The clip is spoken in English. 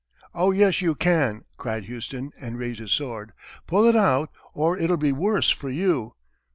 "Oh, yes, you can!" cried Houston, and raised his sword. "Pull it out, or it'll be worse for you!"